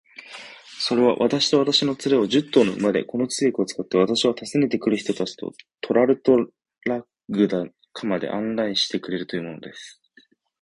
それは、私と私の連れを、十頭の馬で、この通訳を使って、私は訪ねて来る人たちとトラルドラグダカまで案内してくれるというのです。